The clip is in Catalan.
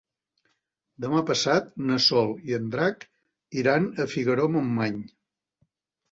Demà passat na Sol i en Drac iran a Figaró-Montmany.